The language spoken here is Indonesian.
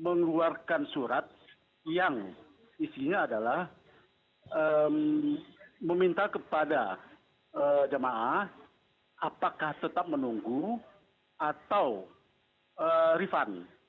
mengeluarkan surat yang isinya adalah meminta kepada jemaah apakah tetap menunggu atau refund